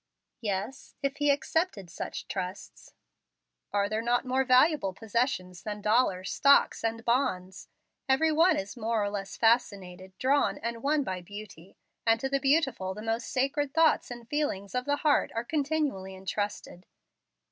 "Yes, if he accepted such trusts." "Are there not more valuable possessions than dollars, stocks, and bonds? Every one is more or less fascinated, drawn, and won by beauty, and to the beautiful the most sacred thoughts and feelings of the heart are continually intrusted.